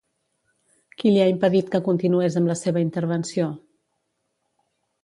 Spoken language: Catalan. Qui li ha impedit que continués amb la seva intervenció?